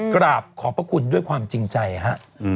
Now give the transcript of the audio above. กราบขอบพระคุณด้วยความจริงใจฮะ